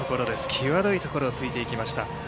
際どいところをついていきました。